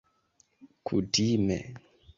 kutime